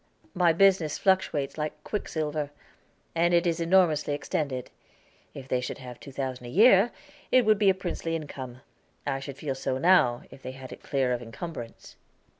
My business fluctuates like quicksilver, and it is enormously extended. If they should have two thousand a year, it would be a princely income; I should feel so now, if they had it clear of incumbrance."